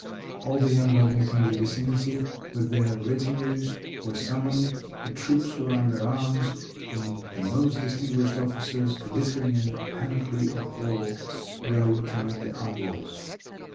All the young nobles in the vicinity, with their retinues, were summoned. The troops were under arms, and the most distinguished officers, glittering in the panoply of war, rode to meet the envoys.